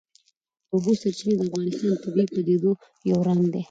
د اوبو سرچینې د افغانستان د طبیعي پدیدو یو رنګ دی.